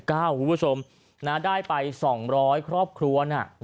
คุณผู้ชมได้ไป๒๐๐ครอบครัวน่ะ